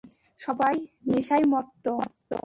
সবাই নেশায় মত্ত।